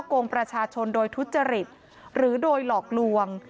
กงประชาชนโดยทุจริตหรือโดยหลอกลวง